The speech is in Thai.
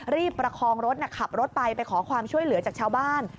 ประคองรถขับรถไปไปขอความช่วยเหลือจากชาวบ้าน